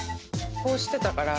こうしてたから。